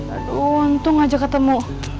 aduh untung aja ketemu